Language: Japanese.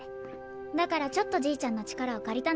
だからちょっとじいちゃんのちからをかりたのよ。